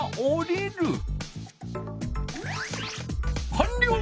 かんりょう！